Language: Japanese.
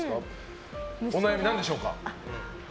お悩み何でしょうか。